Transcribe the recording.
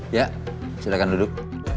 ya silahkan duduk